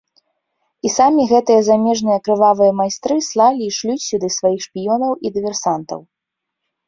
І самі гэтыя замежныя крывавыя майстры слалі і шлюць сюды сваіх шпіёнаў і дыверсантаў.